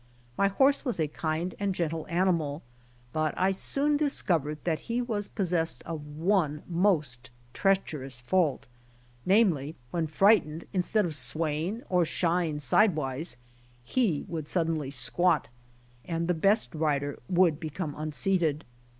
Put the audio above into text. My horse was a kind and gentle animal ; but I soon discovered that he was possessed of one most treacherous fault, namely, when frightened instead of swaying or shieing sidewise, he would suddenly squat, and the best rider would become unseated.